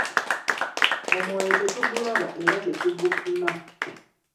Omwoyo tetugulaba era tetugupima.